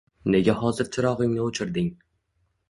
— Nega hozir chirog‘ingni o‘chirding?